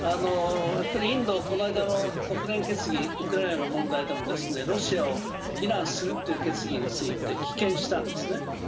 インド、この間の国連決議、ウクライナの問題でもロシアを非難するという決議について棄権したんですね。